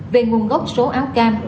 về nguồn gốc số áo cam